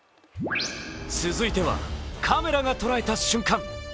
続いてはカメラが捉えた瞬間。